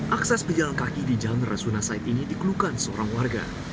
akses pejalan kaki di jalan rasuna said ini dikeluhkan seorang warga